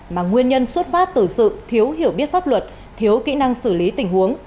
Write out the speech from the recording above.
mà nguyên nhân xuất phát từ sự thiếu hiểu biết pháp luật thiếu kỹ năng xử lý tình huống